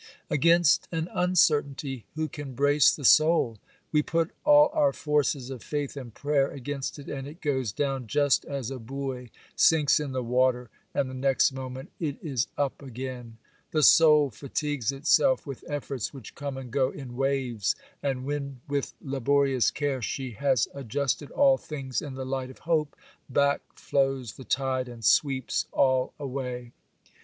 Against an uncertainty who can brace the soul? We put all our forces of faith and prayer against it, and it goes down just as a buoy sinks in the water, and the next moment it is up again. The soul fatigues itself with efforts which come and go in waves; and when with laborious care she has adjusted all things in the light of hope, back flows the tide, and sweeps all away.